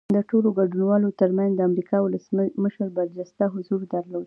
د ټولو ګډونوالو ترمنځ د امریکا ولسمشر برجسته حضور درلود